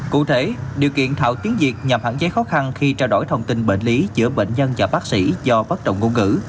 cụ thể điều kiện thạo tiếng việt nhằm hạn chế khó khăn khi trao đổi thông tin bệnh lý giữa bệnh nhân và bác sĩ do bất động ngôn ngữ